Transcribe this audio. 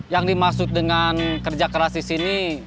yang dimaksud dengan kerja keras di sini